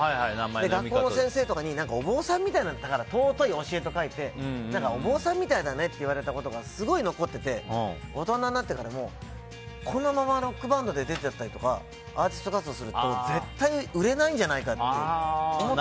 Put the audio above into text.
学校の先生とかにお坊さんみたいだから貴いと書いてお坊さんみたいだねって言われたことがすごい覚えてて大人になってからも、このままロックバンドで出ていったりアーティスト活動すると絶対売れないんじゃないかっていう。